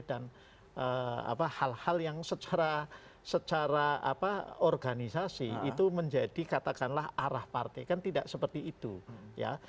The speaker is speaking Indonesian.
dan hal hal yang secara organisasi itu menjadi katakanlah arah partai kan tidak seperti itu ya